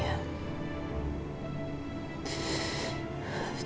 jagain mama riri